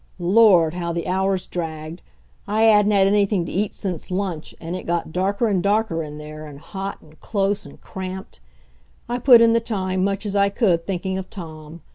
Lord, how the hours dragged! I hadn't had anything to eat since lunch, and it got darker and darker in there, and hot and close and cramped. I put in the time, much as I could, thinking of Tom.